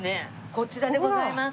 こちらでございます。